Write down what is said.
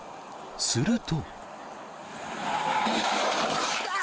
すると。